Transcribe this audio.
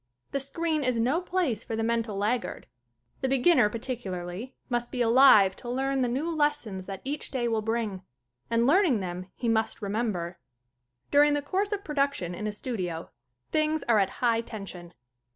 The screen is no place for the mental lag gard. The beginner, particularly, must be alive to learn the new lessons that each day will bring, and learning them he must remem ber. During the course of production in a studio things are at high tension.